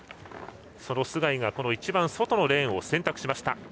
その須貝が一番外のレーンを選択しました。